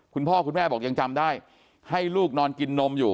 คุณพ่อคุณแม่บอกยังจำได้ให้ลูกนอนกินนมอยู่